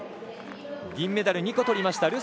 銀メダル２個とりました